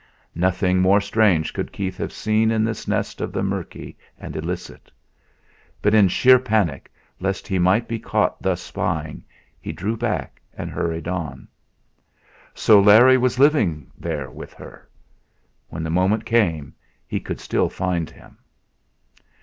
Nothing more strange could Keith have seen in this nest of the murky and illicit. But in sheer panic lest he might be caught thus spying he drew back and hurried on. So Larry was living there with her! When the moment came he could still find him.